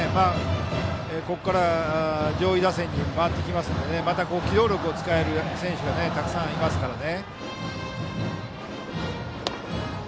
ここから上位打線に回ってきますのでまた機動力を使える選手がたくさんいますからね。